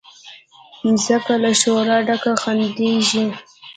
مځکه له شوره ډکه خندیږي